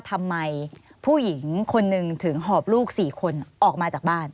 ทำไมผู้หญิงคนหนึ่งถึงหอบลูก๔คนออกมาจากบ้าน